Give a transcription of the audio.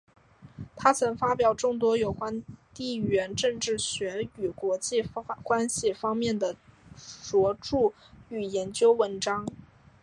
他曾发表众多有关地缘政治学与国际关系方面的着作与研究文章。